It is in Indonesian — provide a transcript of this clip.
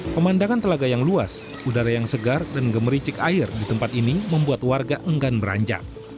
pemandangan telaga yang luas udara yang segar dan gemericik air di tempat ini membuat warga enggan beranjak